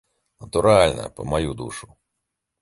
Натуральна, па маю душу.